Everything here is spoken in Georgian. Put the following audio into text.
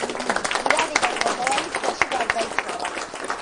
ირანიდან მომავალი გზაში გარდაიცვალა.